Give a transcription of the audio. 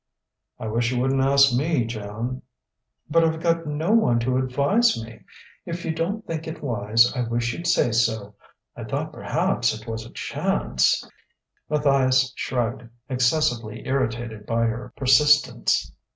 "I wish you wouldn't ask me, Joan." "But I've got no one to advise me.... If you don't think it wise, I wish you'd say so. I thought perhaps it was a chance...." Matthias shrugged, excessively irritated by her persistence.